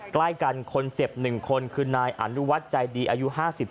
ใกล้กันคนเจ็บ๑คนคือนายอนุวัฒน์ใจดีอายุ๕๓